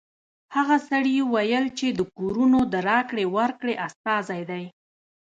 هغه سړي ویل چې د کورونو د راکړې ورکړې استازی دی